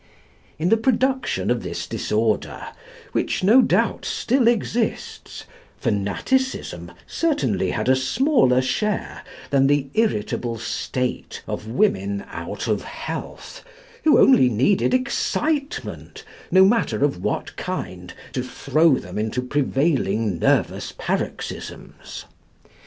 In the production of this disorder, which no doubt still exists, fanaticism certainly had a smaller share than the irritable state of women out of health, who only needed excitement, no matter of what kind, to throw them into prevailing nervous paroxysms.